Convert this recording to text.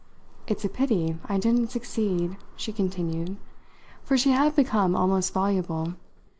It's a pity I didn't succeed!" she continued for she had become almost voluble.